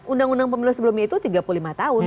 undang undang pemilu sebelumnya itu tiga puluh lima tahun